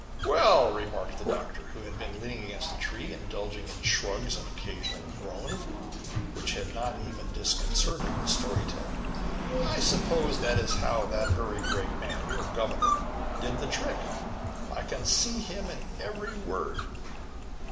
"Well," remarked the Doctor, who had been leaning against a tree, and indulging in shrugs and an occasional groan, which had not even disconcerted the story teller, "I suppose that is how that very great man, your governor, did the trick. I can see him in every word."